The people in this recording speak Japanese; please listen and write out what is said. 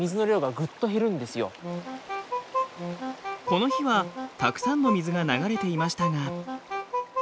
この日はたくさんの水が流れていましたが。